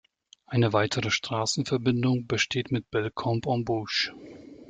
Eine weitere Straßenverbindung besteht mit Bellecombe-en-Bauges.